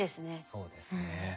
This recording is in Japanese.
そうですね。